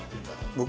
僕。